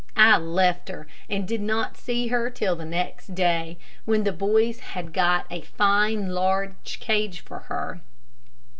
I left her and did not see her till the next day, when the boys had got a fine, large cage for her.